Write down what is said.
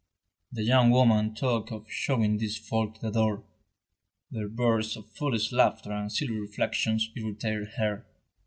The young woman talked of showing these folk the door; their bursts of foolish laughter and silly reflections irritated her.